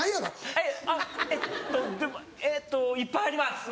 えっあっえっとでもえっといっぱいあります。